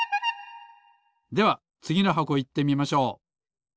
ではつぎのはこいってみましょう。